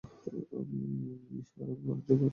আর আমি মরার যোগ্য।